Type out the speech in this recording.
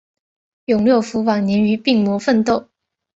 永六辅晚年与病魔奋斗。